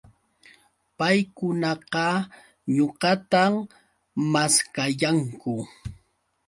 Paykunaqa ñuqatam maskayanku